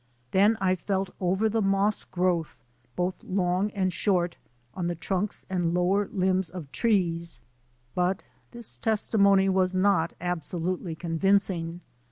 Then I felt over the moss growth, both long and short, on the trunks and lower limbs of trees, but this tes timony was not absolutely convincing.